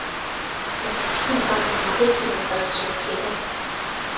Mu kutya Mukama amagezi mwe gasookera.